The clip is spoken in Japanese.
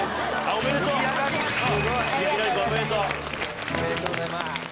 ありがとうございます。